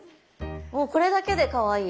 もうこれだけでかわいい。